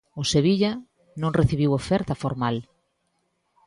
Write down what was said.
O Sevilla non recibiu oferta formal.